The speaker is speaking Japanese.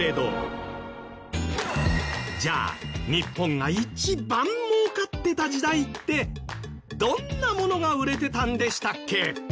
じゃあ日本が一番儲かってた時代ってどんなものが売れてたんでしたっけ？